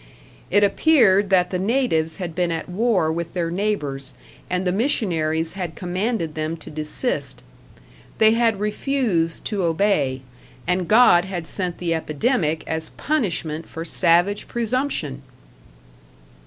It appeared that the natives had been at war with their neighbors, and the missionaries had commanded them to desist; they had refused to obey, and God had sent the epidemic as punishment for savage presumption!